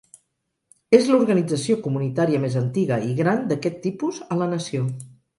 És l'organització comunitària més antiga i gran d'aquest tipus a la nació.